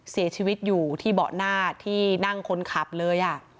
เสียชีวิตอยู่ที่เบาะหน้าที่นั่งคนขับเลย